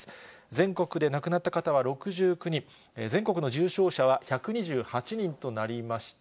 全国で亡くなった方は６９人、全国の重症者は１２８人となりました。